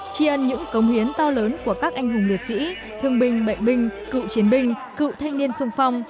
tri ân những cống hiến to lớn của các anh hùng liệt sĩ thương binh bệnh binh cựu chiến binh cựu thanh niên sung phong